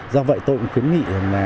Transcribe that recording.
do vậy tôi cũng khuyến nghị là